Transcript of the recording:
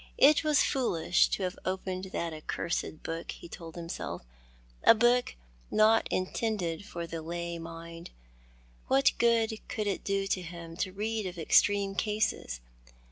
It was foolish to have opened that accursed book, he told himself, a book not intended for the lay mind. What good could it do him to read of extreme cases?